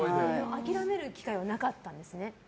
諦める機会はなかったんですね。